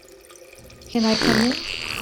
Can I come in?